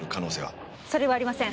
それはありません。